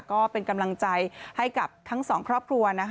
ก็เป็นกำลังใจให้กับทั้งสองครอบครัว